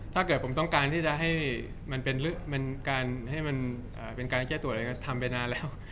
ถ้าเกิดผมต้องการที่จะให้มันเป็นการให้มันเป็นการแก้ตัวอะไรก็ทำไปนานแล้ว